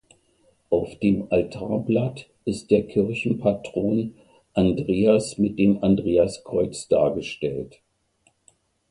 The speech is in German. Auf dem Altarblatt ist der Kirchenpatron Andreas mit dem Andreaskreuz dargestellt.